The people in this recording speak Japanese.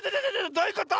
どういうこと⁉